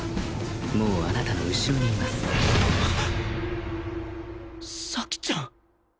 もうあなたの後ろにいます咲ちゃん！？